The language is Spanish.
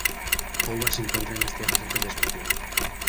Hogwarts se encuentra en las Tierras Altas de Escocia.